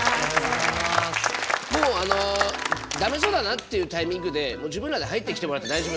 もうあの駄目そうだなっていうタイミングで自分らで入ってきてもらって大丈夫。